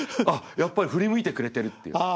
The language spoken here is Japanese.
あっやっぱり振り向いてくれてるっていう。